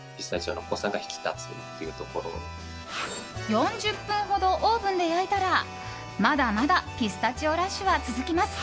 ４０分ほどオーブンで焼いたらまだまだピスタチオラッシュは続きます！